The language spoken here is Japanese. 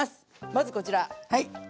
まずこちら。